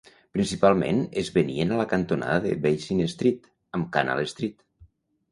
Principalment es venien a la cantonada de Basin Street amb Canal Street.